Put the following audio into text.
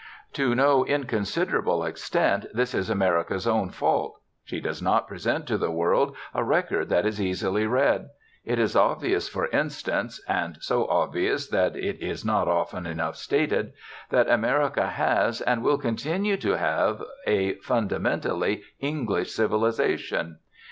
To no inconsiderable extent this is America's own fault. She does not present to the world a record that is easily read. It is obvious, for instance and so obvious that it is not often enough stated that America has and will continue to have a fundamentally English civilization.